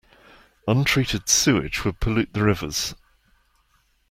Untreated sewage would pollute the rivers.